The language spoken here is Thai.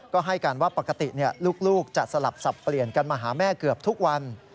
ก็ให้การว่าปกติลูกจะสลับสับเปลี่ยนกันมาหาแม่เกือบทุกวัน